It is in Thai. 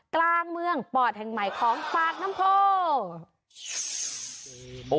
กลางเมืองปอดแห่งใหม่ของปากน้ำโพ